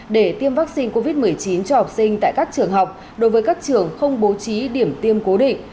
để tiêm vaccine covid một mươi chín cho học sinh tại các trường học đối với các trường không bố trí điểm tiêm cố định